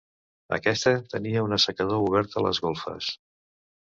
Aquesta tenia un assecador obert a les golfes.